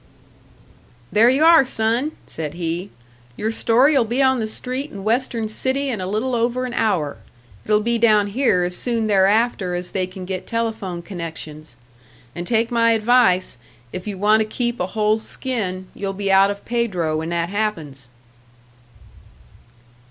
"There you are, son," said he. "Your story'll be on the street in Western City in a little over an hour; it'll be down here as soon thereafter as they can get telephone connections. And take my advice, if you want to keep a whole skin, you'll be out of Pedro when that happens!"